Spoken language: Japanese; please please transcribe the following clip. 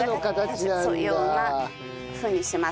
のようなふうにします。